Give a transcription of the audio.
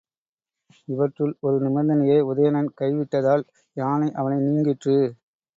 இவற்றுள் ஒரு நிபந்தனையை உதயணன் கைவிட்டதால் யானை அவனை நீங்கிற்று.